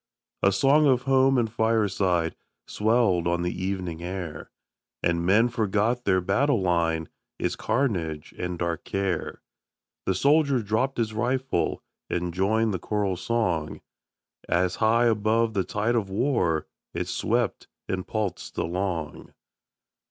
A song of home and fireside Swelled on the evening air, And men forgot their battle line, Its carnage and dark care ; The soldier dropp'd his rifle And joined the choral song, As high above the tide of war It swept and pulsed along.